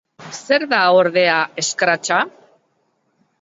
Zer da ordea scratch-a?